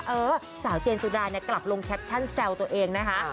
เออสาวเจนสุดาเนี่ยกลับลงแคปชั่นแซวตัวเองนะคะ